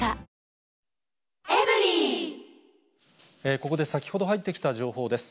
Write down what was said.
ここで先ほど入ってきた情報です。